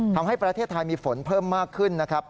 ทำให้ประเทศไทยมีฝนเพิ่มมากขึ้นนะครับ